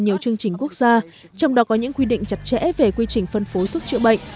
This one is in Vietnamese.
nhiều chương trình quốc gia trong đó có những quy định chặt chẽ về quy trình phân phối thuốc chữa bệnh